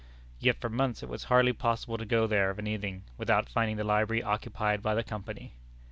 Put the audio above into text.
Yet for months it was hardly possible to go there of an evening without finding the library occupied by the Company.